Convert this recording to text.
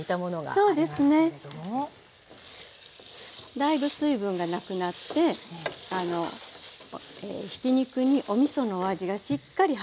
だいぶ水分がなくなってひき肉におみそのお味がしっかり入ったところですよね。